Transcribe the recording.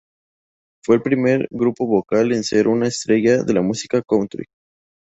Fue el primer grupo vocal en ser una estrella de la música country.